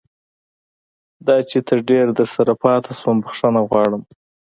دا چې تر ډېره درسره پاتې شوم بښنه غواړم.